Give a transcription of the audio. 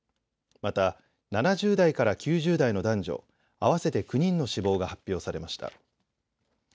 また７０代から９０代の男女合わせて９人の死亡が発表されました。